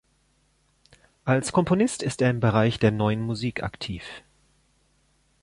Als Komponist ist er im Bereich der Neuen Musik aktiv.